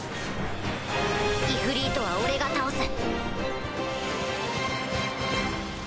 イフリートは俺が倒す。